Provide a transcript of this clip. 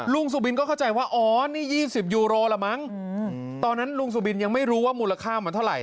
สุบินก็เข้าใจว่าอ๋อนี่๒๐ยูโรละมั้งตอนนั้นลุงสุบินยังไม่รู้ว่ามูลค่ามันเท่าไห